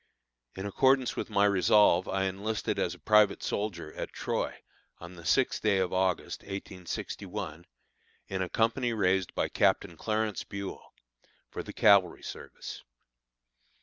In accordance with my resolve I enlisted as a private soldier at Troy, on the sixth day of August, 1861, in a company raised by Captain Clarence Buel, for the cavalry service.